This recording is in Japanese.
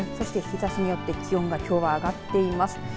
日ざしによって気温がきょうは上がっています。